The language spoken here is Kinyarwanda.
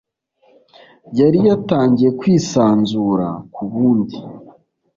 yari yatangiye kwisanzura kuwundi.